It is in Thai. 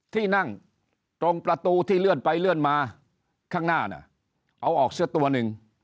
ที่นั่งตรงประตูที่เลื่อนไปเลื่อนมาข้างหน้าน่ะเอาออกซะตัวหนึ่ง